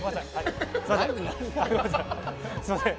すみません。